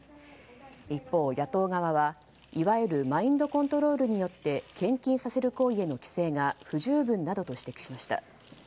一方、野党側はいわゆるマインドコントロールによって献金させる行為への規制が不十分などと指摘しました。